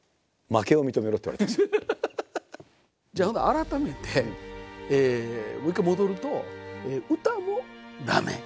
じゃあ改めてもう一回戻ると歌も駄目。